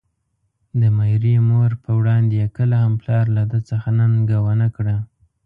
د ميرې مور په وړاندې يې کله هم پلار له ده څخه ننګه ونکړه.